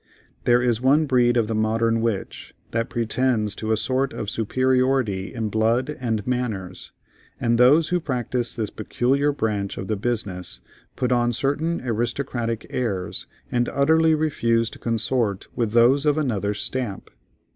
There is one breed of the modern witch that pretends to a sort of superiority in blood and manners, and those who practise this peculiar branch of the business put on certain aristocratic airs and utterly refuse to consort with those of another stamp.